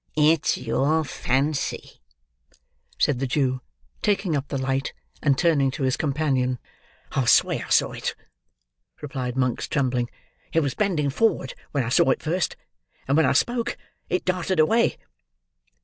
"It's your fancy," said the Jew, taking up the light and turning to his companion. "I'll swear I saw it!" replied Monks, trembling. "It was bending forward when I saw it first; and when I spoke, it darted away."